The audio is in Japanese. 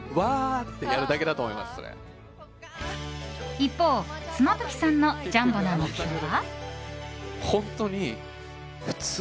一方、妻夫木さんのジャンボな目標は。